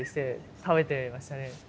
食べてましたね。